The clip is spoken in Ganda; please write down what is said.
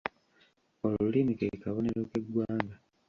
Olulimi ke kabonero k'eggwanga.